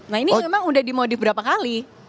nah ini memang udah dimodif berapa kali